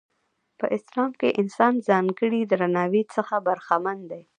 په اسلام کې انسان ځانګړي درناوي څخه برخمن دی.